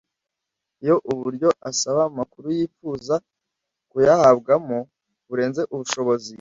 Iyo uburyo usaba amakuru yifuza kuyahabwamo burenze ubushobozi